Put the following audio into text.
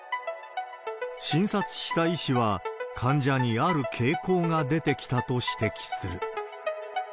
診察した医師は、患者にある傾向が出てきたと指摘する。